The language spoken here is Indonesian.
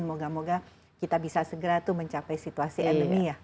moga moga kita bisa segera tuh mencapai situasi endemi ya